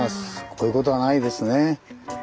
こういうことはないですね。